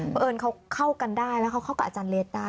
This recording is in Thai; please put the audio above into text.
เพราะเอิญเขาเข้ากันได้แล้วเขาเข้ากับอาจารย์เลสได้